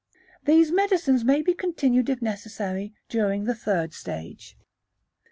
These medicines may be continued if necessary during the third stage. 959.